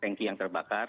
tank yang terbakar